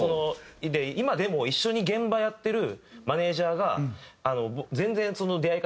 今でも一緒に現場やってるマネジャーが全然出会い方が違って。